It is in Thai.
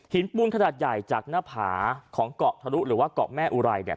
ปูนขนาดใหญ่จากหน้าผาของเกาะทะลุหรือว่าเกาะแม่อุไรเนี่ย